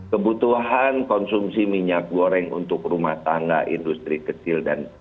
kebutuhan konsumsi minyak goreng untuk rumah tangga industri kecil dan